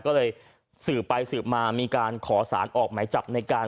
ก็เลยสืบไปสืบมามีการขอสารออกหมายจับในการ